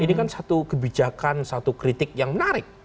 ini kan satu kebijakan satu kritik yang menarik